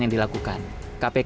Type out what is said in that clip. yang menjaga kementerian sosial